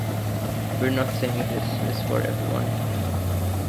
We're not saying this is for everyone.